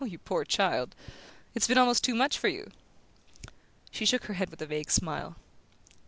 "You poor child it's been almost too much for you!" She shook her head with a vague smile.